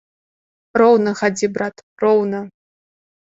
Роўна хадзі, брат, роўна!